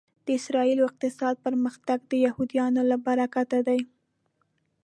د اسرایلو اقتصادي پرمختګ د یهودیانو له برکته دی